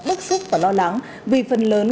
bức xúc và lo lắng vì phần lớn